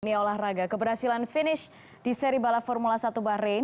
ini olahraga keberhasilan finish di seri balap formula satu bahrain